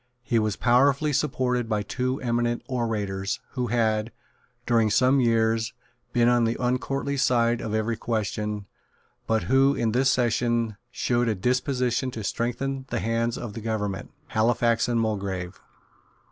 He was powerfully supported by two eminent orators, who had, during some years, been on the uncourtly side of every question, but who, in this session, showed a disposition to strengthen the hands of the government, Halifax and Mulgrave.